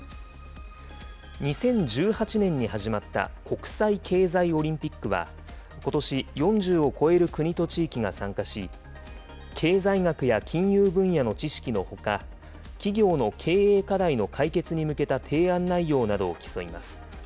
２０１８年に始まった国際経済オリンピックは、ことし、４０を超える国と地域が参加し、経済学や金融分野の知識のほか、企業の経営課題の解決に向けた提案内容などを競います。